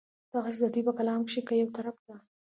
دغسې د دوي پۀ کلام کښې کۀ يو طرف ته